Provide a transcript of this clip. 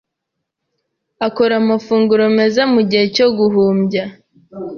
Akora amafunguro meza mugihe cyo guhumbya.